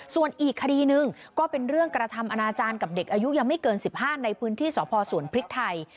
ส่วนอีกคดีหนึ่งก็เป็นเรื่องกระทำอนาจารย์กับเด็กอายุยังไม่เกิน๑๕ในพื้นที่สพสวนพริกไทย